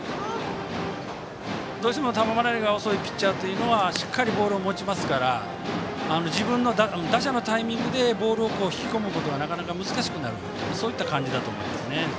どうしても球離れが遅いピッチャーはしっかりボールを持ちますから打者のタイミングでボールを引き込むことがなかなか難しくなるといった感じだと思います。